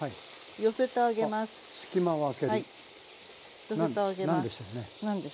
寄せてあげます。